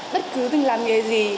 bất cứ tình làm nghề gì